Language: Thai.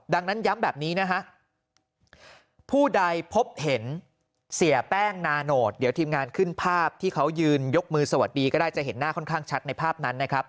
ดังนั้นย้ำแบบนี้นะฮะผู้ใดพบเห็นเสียแป้งนาโนตเดี๋ยวทีมงานขึ้นภาพที่เขายืนยกมือสวัสดีก็ได้จะเห็นหน้าค่อนข้างชัดในภาพนั้นนะครับ